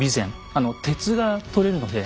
あの鉄がとれるので。